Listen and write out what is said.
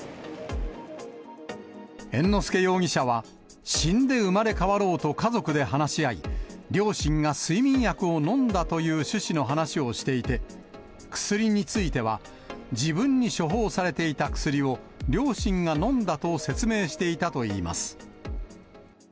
猿之助容疑者は、死んで生まれ変わろうと家族で話し合い、両親が睡眠薬を飲んだという趣旨の話をしていて、薬については、自分に処方されていた薬を両親が飲んだと説明していたといいます。